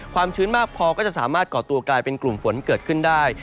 ชื้นมากพอก็จะสามารถก่อตัวกลายเป็นกลุ่มฝนเกิดขึ้นได้